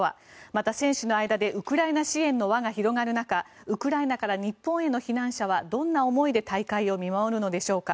また、選手の間でウクライナ支援の輪が広がる中ウクライナから日本への避難者はどんな思いで大会を見守るのでしょうか。